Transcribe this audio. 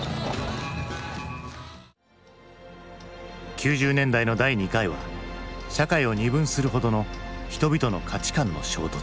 ９０年代の第２回は社会を二分するほどの人々の価値観の衝突。